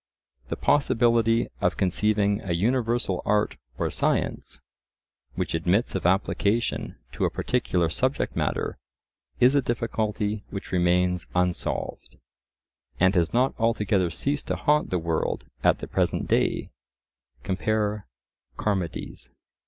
The possibility of conceiving a universal art or science, which admits of application to a particular subject matter, is a difficulty which remains unsolved, and has not altogether ceased to haunt the world at the present day (compare Charmides).